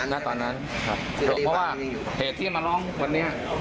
เพราะว่าเหตุที่มาร้องวันนี้